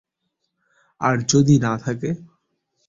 আর যদি না থাকে?